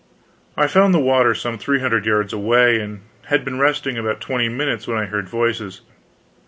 I found the water some three hundred yards away, and had been resting about twenty minutes, when I heard voices.